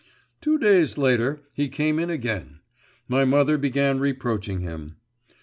Two days later, he came in again. My mother began reproaching him.